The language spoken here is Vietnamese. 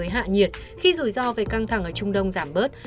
với hạ nhiệt khi rủi ro về căng thẳng ở trung đông giảm bớt